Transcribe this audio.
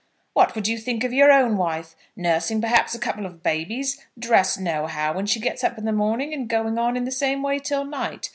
"What would you think of your own wife, nursing perhaps a couple of babies, dressed nohow when she gets up in the morning, and going on in the same way till night?